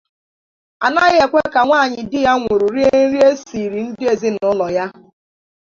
a naghị ekwe ka nwaanyị di ya nwụrụ rie nri e siiri ndị ezinụlọ ya